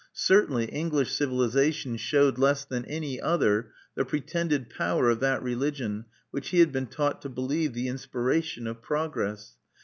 Certainly English civilization showed less than any other the pretended power of that religion which he had been taught to believe the inspiration of progress.